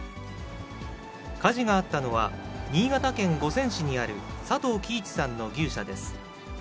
火事があったのは、新潟県五泉市にある佐藤喜一さんの牛舎です。